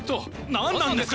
何なんですか！